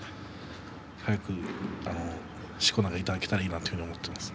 早く、しこ名をいただきたいなと思っています。